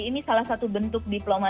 ini salah satu bentuk diplomasi